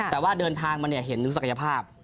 แต่ว่าเดินทางมาเห็นศักยภาพ